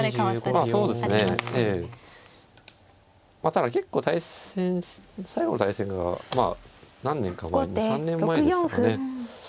ただ結構最後の対戦が何年か前２３年前でしたかね。